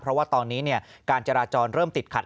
เพราะว่าตอนนี้โรงบัญชาการเริ่มติดขัด